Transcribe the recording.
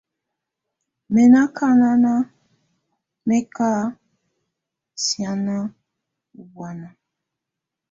Mɛ̀ nɔ̀ akana mɛ̀ ka sianɛna ɔ̀ bɔ̀ána.